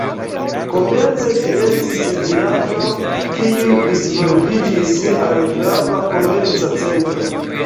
Komence ĝi estis vilaĝo, kiu disvolviĝis al grava komerca centro.